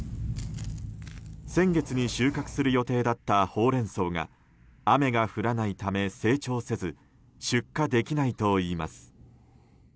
先月に収穫する予定だったホウレンソウが雨が降らないため成長せず出荷できないといいます。